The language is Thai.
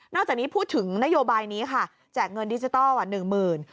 จากนี้พูดถึงนโยบายนี้ค่ะแจกเงินดิจิทัลหนึ่งหมื่น